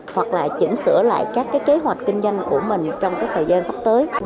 hoặc là chỉnh sửa lại các cái kế hoạch kinh doanh của mình trong cái thời gian sắp tới